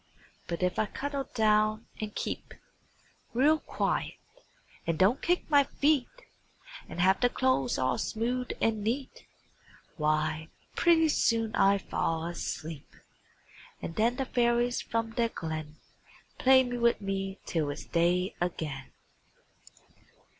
But if I cuddle down and keep Real quiet, and don't kick my feet, And have the clothes all smooth and neat, Why, pretty soon I fall asleep; And then the fairies from their glen Play with me till it's day again.